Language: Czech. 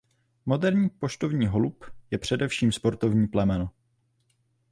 Moderní poštovní holub je především sportovní plemeno.